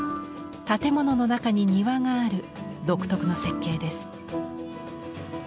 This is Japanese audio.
建物の中に庭がある独特の設計です。